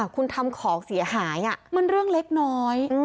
คุณทำของเสียหายมันเรื่องเล็กน้อย